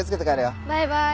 バイバイ。